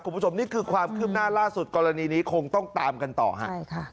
คุณผู้ชมนี่คือความคืบหน้าล่าสุดกรณีนี้คงต้องตามกันต่อฮะใช่ค่ะ